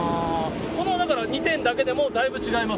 この２点だけでもだいぶ違います？